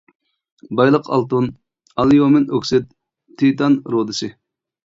بايلىق ئالتۇن، ئاليۇمىن ئوكسىد، تىتان رۇدىسى.